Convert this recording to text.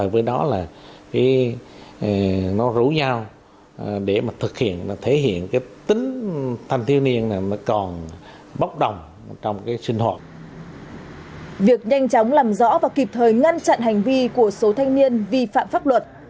việc nhanh chóng làm rõ và kịp thời ngăn chặn hành vi của số thanh niên vi phạm pháp luật